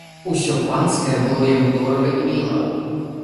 Усё панскае было яму дорага і міла.